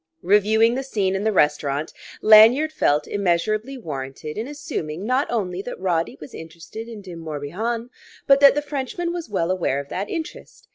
Reviewing the scene in the restaurant, Lanyard felt measurably warranted in assuming not only that Roddy was interested in De Morbihan, but that the Frenchman was well aware of that interest.